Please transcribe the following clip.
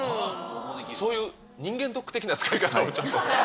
そういう人間ドック的な使い方を。